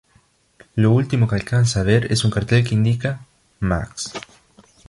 Lo último que alcanza a ver es un cartel que indica: "Max.